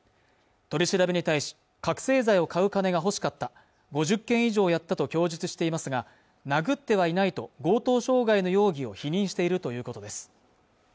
取り調べに対し覚せい剤を買う金が欲しかった５０件以上やったと供述していますが殴ってはいないと強盗傷害の容疑を否認しているということです